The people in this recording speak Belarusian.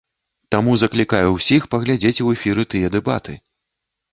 Таму заклікаю ўсіх паглядзець у эфіры тыя дэбаты!